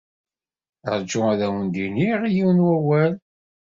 Ṛju ad awent-iniɣ yiwen n wawal.